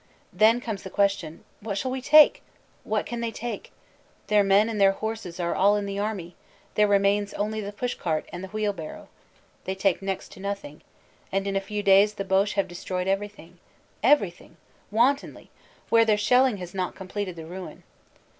Then comes the question, What shall we take? What can they take? Their men and their horses are all in the army; there remain only the push cart and the wheel barrow. They take next to nothing. And in a few days the Boche have destroyed everything everything; wantonly, where their shelling has not completed the ruin.